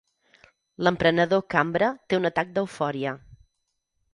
L'emprenedor Cambra té un atac d'eufòria.